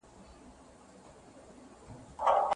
د انارګل توربخون ځواني په دښته کې ښکلې ښکارېده.